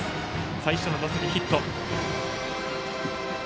最初の打席はヒット。